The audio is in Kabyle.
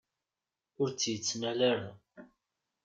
Ur tt-yettnal ara.